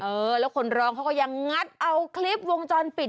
เออแล้วคนร้องเขาก็ยังงัดเอาคลิปวงจรปิด